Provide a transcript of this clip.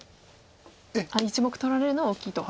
１目取られるのは大きいと。